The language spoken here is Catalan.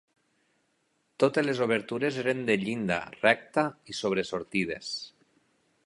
Totes les obertures eren de llinda recta i sobresortides.